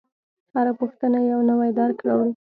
هره پوښتنه یو نوی درک راوړي.